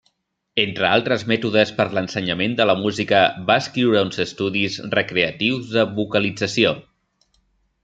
Entre altres mètodes per l'ensenyament de la música va escriure uns Estudis Recreatius de Vocalització.